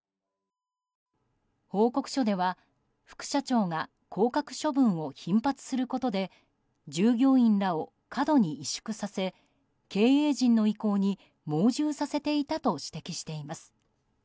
報告書では、副社長が降格処分を頻発することで従業員らを過度に委縮させ経営陣の意向に盲従させていたと指摘しています。